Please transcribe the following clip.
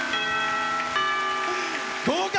合格！